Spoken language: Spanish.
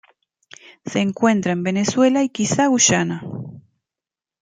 Se encuentra en Venezuela y quizá Guyana.